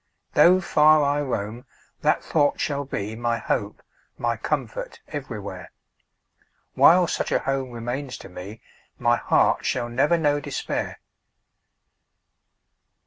Though far I roam, that thought shall be My hope, my comfort, everywhere; While such a home remains to me, My heart shall never know despair!